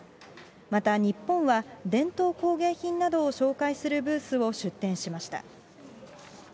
また、日本は伝統工芸品などを紹介するブースを出展しました。